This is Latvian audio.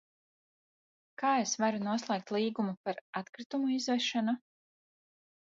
Kā es varu noslēgt līgumu par atkritumu izvešanu?